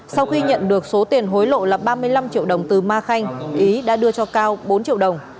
sau khi nhận được số tiền hối lộ là ba mươi năm triệu đồng từ ma khanh ý đã đưa cho cao bốn triệu đồng